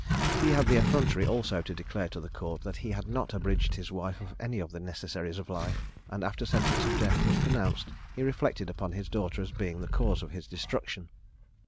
He had the effrontery also to declare to the Court that he had not abridged his wife of any of the necessaries of life; and after sentence of death was pronounced, he reflected upon his daughter as being the cause of his destruction.